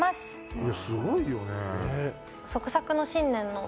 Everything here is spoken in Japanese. いやすごいよね。ねぇ。